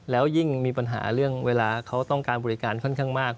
แล้วยิ่งมีปัญหาเรื่องเวลาเขาต้องการบริการค่อนข้างมาก